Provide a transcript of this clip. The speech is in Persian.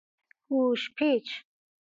گوش پیچ